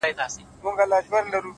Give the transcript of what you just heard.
هوډ د نیمګړو امکاناتو ملګری دی.